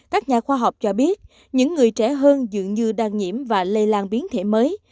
các nhà khoa học cho biết những người trẻ hơn dường như đang nhiễm và lây lan biến thể mới